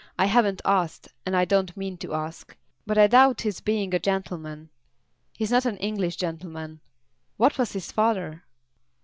I haven't asked, and I don't mean to ask. But I doubt his being a gentleman. He is not an English gentleman. What was his father?"